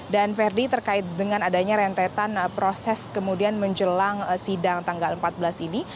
dan verdi terkait dengan adanya rentetan proses kemudian menjelang sidang tanggal empat belas ini